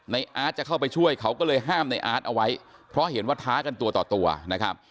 อาร์ตจะเข้าไปช่วยเขาก็เลยห้ามในอาร์ตเอาไว้เพราะเห็นว่าท้ากันตัวต่อตัวนะครับ